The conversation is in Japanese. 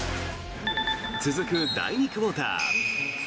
続く第２クオーター。